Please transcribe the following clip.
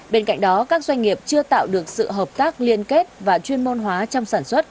bên cạnh đó các doanh nghiệp chưa tạo được sự hợp tác liên kết và chuyên môn hóa trong sản xuất